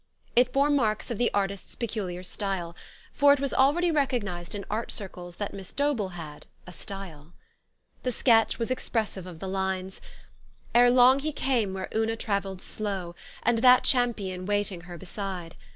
It bore marks of the artist's peculiar style ; for it was already recognized in art circles that Miss Dobellhad "a style." The sketch was expressive of the lines :" Ere long he came where Una traveild slow, And that champion wayting her besyde.